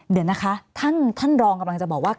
เดี๋ยวนะคะท่านรองกำลังจะบอกว่า